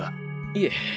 いえ。